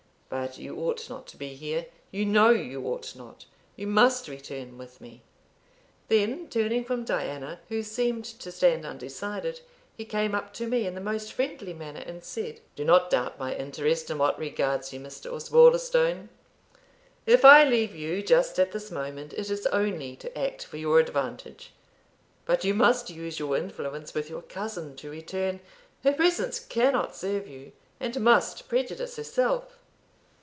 But you ought not to be here you know you ought not; you must return with me." Then turning from Diana, who seemed to stand undecided, he came up to me in the most friendly manner, and said, "Do not doubt my interest in what regards you, Mr. Osbaldistone. If I leave you just at this moment, it is only to act for your advantage. But you must use your influence with your cousin to return; her presence cannot serve you, and must prejudice herself."